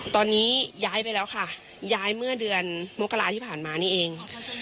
ตอนนี้ย้ายไปแล้วค่ะย้ายเมื่อเดือนมกราที่ผ่านมานี่เอง